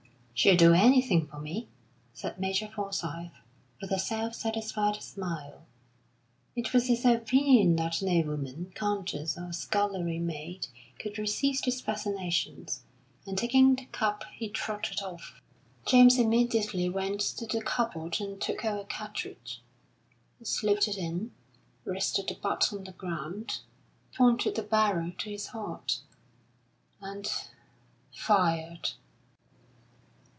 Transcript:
"She'll do anything for me," said Major Forsyth, with a self satisfied smile. It was his opinion that no woman, countess or scullery maid, could resist his fascinations; and taking the cup, he trotted off. James immediately went to the cupboard and took out a cartridge. He slipped it in, rested the butt on the ground, pointed the barrel to his heart, and fired!